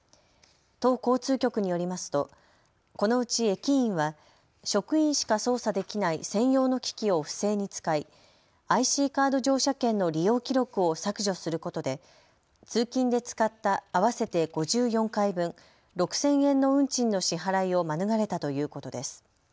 都交通局によりますとこのうち駅員は職員しか操作できない専用の機器を不正に使いＩＣカード乗車券の利用記録を削除することで通勤で使った合わせて５４回分６０００円の運賃の支払いを免れたということです。